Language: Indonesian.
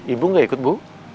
ibu nggak ikut bu